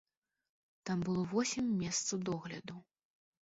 Там было восем месцаў догляду.